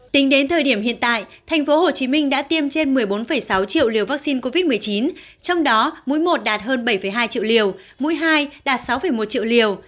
tính đến thời điểm hiện tại tp hcm đã tiêm trên một mươi bốn sáu triệu liều vaccine covid một mươi chín trong đó mũi một đạt hơn bảy hai triệu liều mũi hai đạt sáu một triệu liều